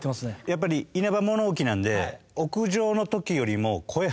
やっぱりイナバ物置なんで。